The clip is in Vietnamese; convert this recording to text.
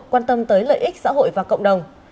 quan tâm tới lợi ích xã hội và cộng đồng